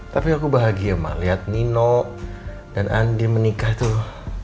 tapi aku bahagia mak lihat nino dan andi menikah tuh